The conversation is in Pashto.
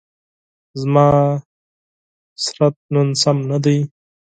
زما صحت نن سم نه دی.